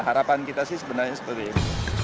harapan kita sih sebenarnya seperti ini